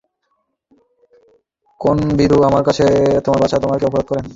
কেন বিধু, আমার বাছা তোমার কী অপরাধ করেছে।